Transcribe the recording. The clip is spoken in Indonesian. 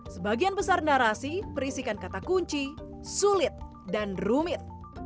sebagian besar narasi berisikan kata kunci sulit dan rumit